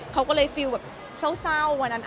เขาก็เลยฟิลแบบเศร้าวันนั้น